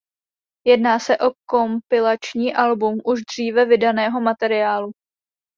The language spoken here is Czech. Jedná se o kompilační album už dříve vydaného materiálu.